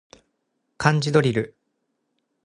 漢字ドリル